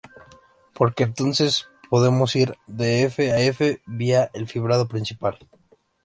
Porque entonces podemos ir de "F" a "F", "vía" el fibrado principal.